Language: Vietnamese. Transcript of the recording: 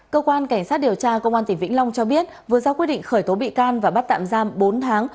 công an tỉnh vĩnh long cho biết vừa ra quyết định khởi tố bị can và bắt tạm giam bốn tháng